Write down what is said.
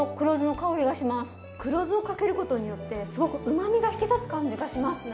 黒酢をかけることによってすごくうまみが引き立つ感じがしますね。